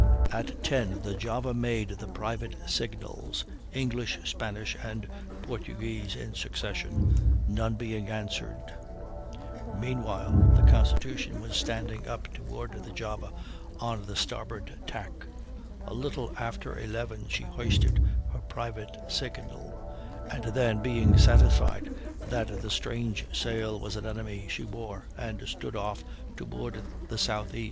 At 10 the Java made the private signals, English, Spanish, and Portuguese in succession, none being answered; meanwhile the Constitution was standing up toward the Java on the starboard tack; a little after 11 she hoisted her private signal, and then, being satisfied that the strange sail was an enemy, she wore and stood off toward the S.E.